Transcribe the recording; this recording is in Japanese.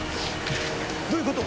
どういうこと？